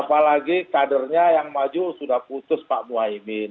apalagi kadernya yang maju sudah putus pak muhaymin